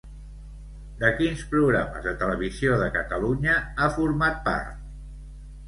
De quins programes de Televisió de Catalunya ha format part?